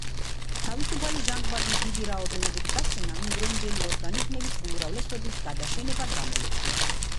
თავისუფალი ჟანგბადის დიდი რაოდენობით გაჩენამ იმდროინდელი ორგანიზმების უმრავლესობის გადაშენება გამოიწვია.